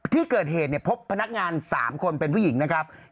ที่เกิดเหตุเนี่ยพบพนักงาน๓คนเป็นผู้หญิงนะครับ